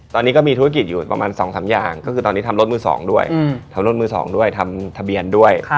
ตอนนี้ก็มีธุรกิจอยู่ประมาณ๒๓อย่างก็คือตอนนี้ทำรถมือ๒ด้วยทำรถมือ๒ด้วยทำทะเบียนด้วย